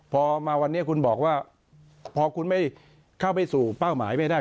พอมาวันนี้คุณบอกว่าพอคุณไม่เข้าไปสู่เป้าหมายไม่ได้